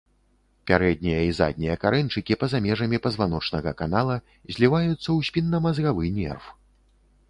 Пярэднія і заднія карэньчыкі па-за межамі пазваночнага канала зліваюцца ў спіннамазгавы нерв.